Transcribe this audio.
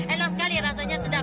enak sekali rasanya sedap